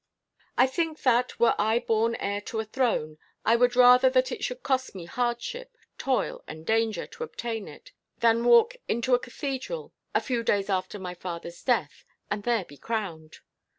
I think that, were I born heir to a throne, I would rather that it should cost me hardship, toil, and danger to obtain it, than walk into a cathedral, a few days after my father's death, and there be crowned."